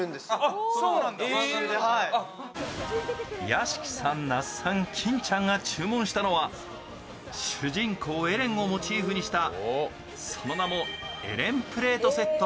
屋敷さん、那須さん、金ちゃんが注文したのは主人公・エレンをモチーフにしたその名もエレン・プレートセット。